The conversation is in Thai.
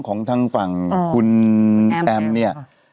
ของทางฝั่งคุณแอมเนี่ย